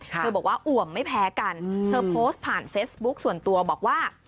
บอกว่าอ่วมไม่แพ้กันเธอโพสต์ผ่านเฟซบุ๊คส่วนตัวบอกว่า